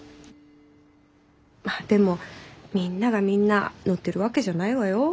まあでもみんながみんなのってるわけじゃないわよ？